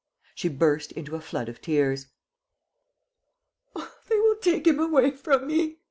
She burst into a flood of tears. "They will take him away from me!"